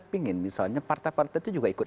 pingin misalnya partai partai itu juga ikut